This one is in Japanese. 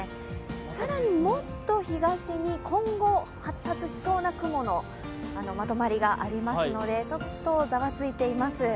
更にもっと東に今後、発達しそうな雲のまとまりがありますので、ちょっとざわついています。